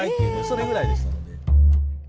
それぐらいでしたんで。